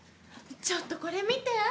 ちょっとこれ見て。